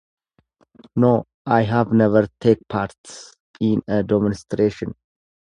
No, I have never take parts in a demonstration.